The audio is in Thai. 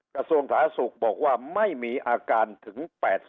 กระทรวงฐาศูกย์บอกว่าไม่มีอาการถึง๘๐